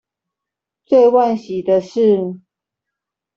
最惋惜的是